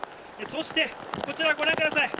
そして、こちらご覧ください。